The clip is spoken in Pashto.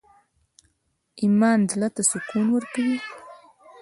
ایمان زړه ته سکون ورکوي؟